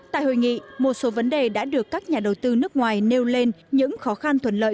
tại hội nghị một số vấn đề đã được các nhà đầu tư nước ngoài nêu lên những khó khăn thuận lợi